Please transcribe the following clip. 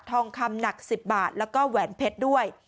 ทองคำหนัก๑๐บาทแล้วก็แหวนเพชรด้วย